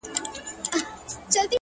o يار ژوند او هغه سره خنـديږي ـ